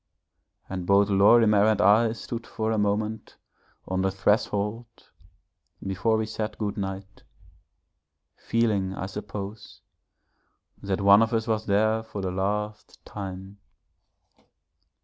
And both Lorimer and I stood for a moment on the threshold before we said good night, feeling I suppose that one of us was there for the last time.